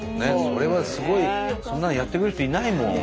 それはすごいそんなのやってくれる人いないもん。